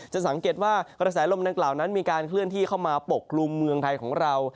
จะสังเกตว่ากระแสลมดังกล่าวนั้นมีการเคลื่อนที่เข้ามาปกกลุ่มเมืองไทยของเรา